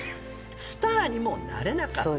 「スターにもなれなかった」